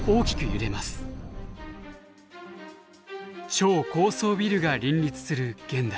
超高層ビルが林立する現代。